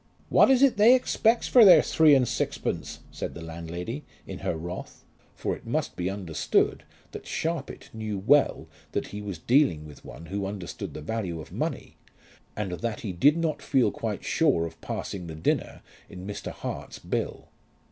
"What is it they expects for their three and sixpence?" said the landlady, in her wrath; for it must be understood that Sharpit knew well that he was dealing with one who understood the value of money, and that he did not feel quite sure of passing the dinner in Mr. Hart's bill.